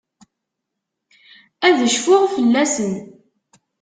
Ad cfuɣ fell-asen.